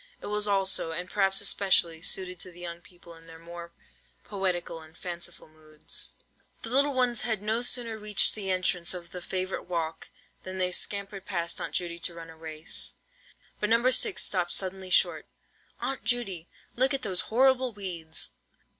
It was also, and perhaps especially, suited to the young people in their more poetical and fanciful moods. The little ones had no sooner reached the entrance of the favourite walk, than they scampered past Aunt Judy to run a race; but No. 6 stopped suddenly short. "Aunt Judy, look at these horrible weeds!